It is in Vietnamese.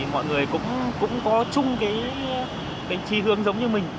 mọi người cũng có chung cái trí hương giống như mình